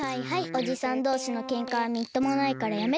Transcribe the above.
おじさんどうしのけんかはみっともないからやめて。